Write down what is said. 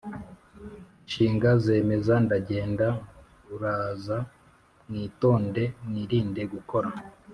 Inshinga zemeza ndagenda uraza mwitonde mwirinde gukora